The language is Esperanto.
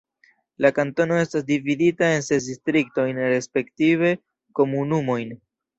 La kantono estas dividita en ses distriktojn respektive komunumojn.